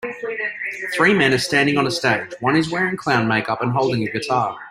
Three men are standing on a stage, one is wearing clown makeup and holding a guitar.